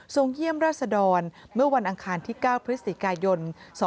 เยี่ยมราชดรเมื่อวันอังคารที่๙พฤศจิกายน๒๕๖